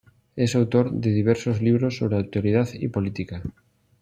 Es autor de diversos libros sobre actualidad y política.